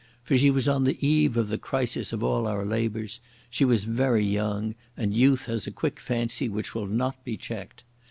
For she was on the eve of the crisis of all our labours, she was very young, and youth has a quick fancy which will not be checked.